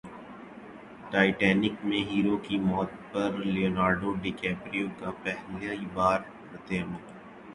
Titanic میں hero کی موت پر لیونارڈو ڈی کیپریو کا پہلی بار ردعمل